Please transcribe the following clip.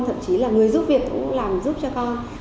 thậm chí là người giúp việc cũng làm giúp cho con